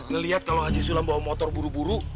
ngeliat kalo haji sulam bawa motor buru buru